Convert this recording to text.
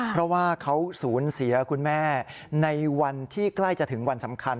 เพราะว่าเขาสูญเสียคุณแม่ในวันที่ใกล้จะถึงวันสำคัญ